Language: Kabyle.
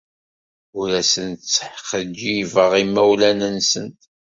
Ur asent-ttxeyyibeɣ imawlan-nsent.